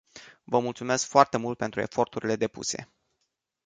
Vă mulțumesc foarte mult pentru eforturile depuse.